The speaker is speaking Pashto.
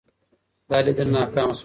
دا لیدنه ناکامه شوه.